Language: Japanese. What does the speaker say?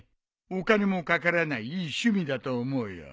お金もかからないいい趣味だと思うよ。